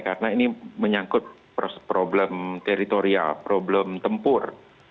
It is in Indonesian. karena ini menyangkut problem teritorial problem tempur